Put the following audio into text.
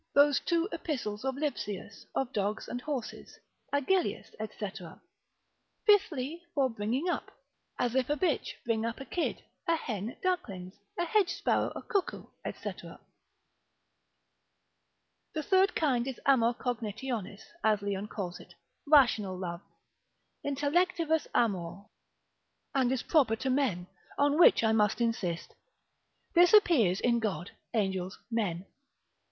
those two Epistles of Lipsius, of dogs and horses, Agellius, &c. Fifthly, for bringing up, as if a bitch bring up a kid, a hen ducklings, a hedge sparrow a cuckoo, &c. The third kind is Amor cognitionis, as Leon calls it, rational love, Intellectivus amor, and is proper to men, on which I must insist. This appears in God, angels, men.